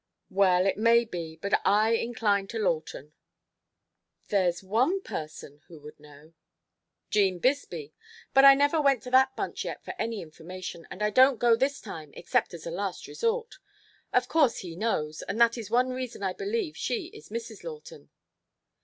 "Well, it may be, but I incline to Lawton " "There's one person would know " "'Gene Bisbee. But I never went to that bunch yet for any information, and I don't go this time except as a last resort. Of course he knows, and that is one reason I believe she is Mrs. Lawton.